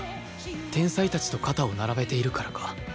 天才たちと肩を並べているからか